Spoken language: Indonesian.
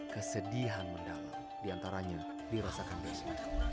kesedihan mendalam diantaranya dirasakan desi